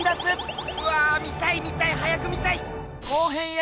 うわぁ見たい見たい！早く見たい！